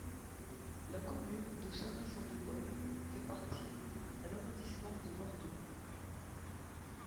La commune de Saint-Vincent-de-Paul fait partie à l'arrondissement de Bordeaux.